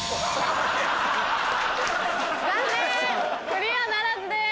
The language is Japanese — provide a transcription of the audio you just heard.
クリアならずです。